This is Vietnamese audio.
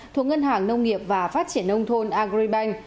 thuộc ngân hàng nông nghiệp và phát triển nông thôn agribank